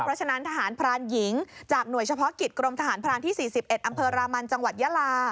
เพราะฉะนั้นทหารพรานหญิงจากหน่วยเฉพาะกิจกรมทหารพรานที่๔๑อำเภอรามันจังหวัดยาลา